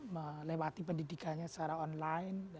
melewati pendidikannya secara online